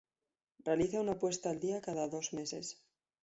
Realiza una puesta al día cada dos meses.